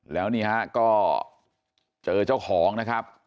แล้วนี่ฮะก็เจอเจ้าของนะครับ